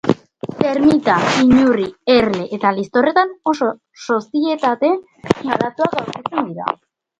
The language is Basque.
Termita, inurri, erle eta liztorretan oso sozietate garatuak aurkitzen dira.